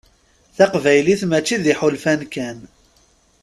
Taqbaylit mačči d iḥulfan kan.